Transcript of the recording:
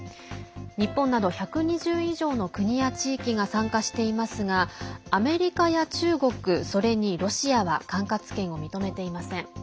日本など１２０以上の国や地域が参加していますがアメリカや中国、それにロシアは管轄権を認めていません。